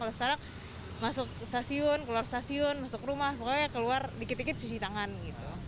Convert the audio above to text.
kalau sekarang masuk stasiun keluar stasiun masuk rumah pokoknya keluar dikit dikit cuci tangan gitu